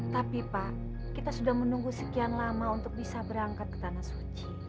tapi pak kita sudah menunggu sekian lama untuk bisa berangkat ke tanah suci